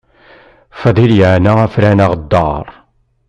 Fadil yeɛna afran aɣeddaṛ.